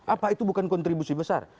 apa itu bukan kontribusi besar